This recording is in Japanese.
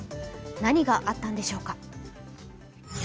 何があったのでしょうか。